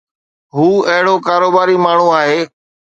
هو اهڙو ڪاروباري ماڻهو آهي.